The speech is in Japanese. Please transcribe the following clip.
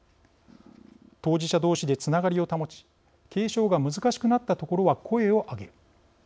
当事者同士でつながりを保ち継承が難しくなったところは声を上げる。